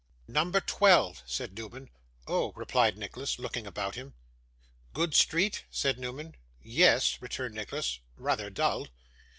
'Number twelve,' said Newman. 'Oh!' replied Nicholas, looking about him. 'Good street?' said Newman. 'Yes,' returned Nicholas. 'Rather dull.